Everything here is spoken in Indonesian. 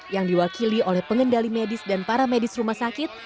yang diwakili oleh pengendali medis dan para medis rumah sakit